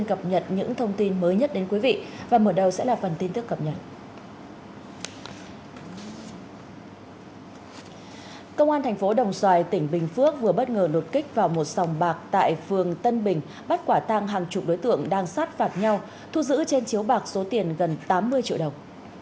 công an thành phố đồng xoài tỉnh bình phước vừa bất ngờ đột kích vào một sòng bạc tại phường tân bình bắt quả tăng hàng chục đối tượng đang sát phạt nhau thu giữ trên chiếu bạc số tiền gần tám mươi triệu đồng